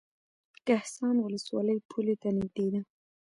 کهسان ولسوالۍ پولې ته نږدې ده؟